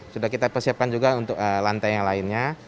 sudah kita persiapkan juga untuk lantai yang lainnya